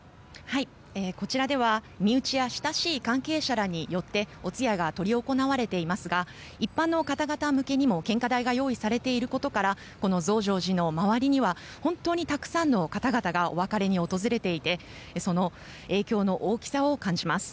こちらでは身内や親しい関係者によってお通夜が執り行われていますが一般の方々向けにも献花台が用意されていることからこの増上寺の周りには本当にたくさんの方々がお別れに訪れていてその影響の大きさを感じます。